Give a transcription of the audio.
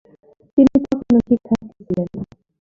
তিনি তখনও শিক্ষার্থী ছিলেন।